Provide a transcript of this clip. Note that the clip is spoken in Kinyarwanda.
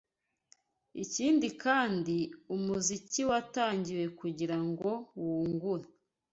Ikindi kandi, umuziki watangiwe kugira ngo wungure